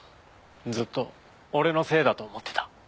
すっと俺のせいだと思ってた。